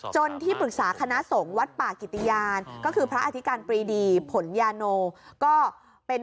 ที่ปรึกษาคณะสงฆ์วัดป่ากิติยานก็คือพระอธิการปรีดีผลยาโนก็เป็น